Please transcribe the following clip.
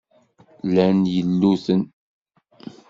Llan yilluten.